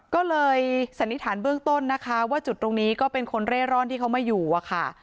ก็เลยสันนิษฐานเบื้องต้นนะคะว่าจุดตรงนี้ก็เป็นคนเร่ร่อนที่เขามาอยู่อะค่ะ